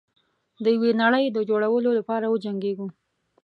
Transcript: د یوې نړۍ د جوړولو لپاره وجنګیږو.